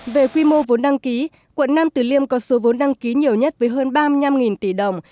về quy mô vốn đăng ký quận nam tử liêm có số vốn đăng ký nhiều nhất với hơn ba mươi năm tỷ đồng